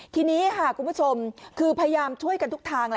ทีนี้ค่ะคุณผู้ชมคือพยายามช่วยกันทุกทางแหละ